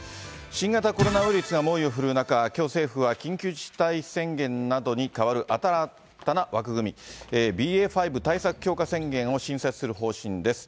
新型コロナウイルスが猛威を振るう中、きょう、政府は緊急事態宣言などに代わる新たな枠組み、ＢＡ．５対策強化宣言を新設する方針です。